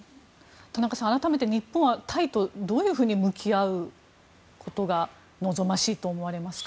田中さん、改めて日本はタイとどういうふうに向き合うことが望ましいと思われますか？